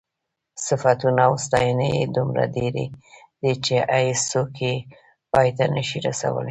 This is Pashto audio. صفتونه او ستاینې یې دومره ډېرې دي چې هېڅوک یې پای ته نشي رسولی.